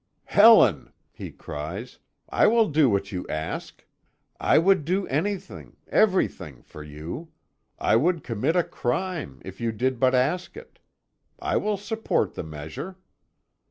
"Helen," he cries, "I will do what you ask. I would do anything, everything for you. I would commit a crime, if you did but ask it. I will support the measure."